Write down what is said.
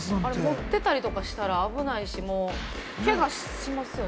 持ってたりしたら危ないし、けがしますよね。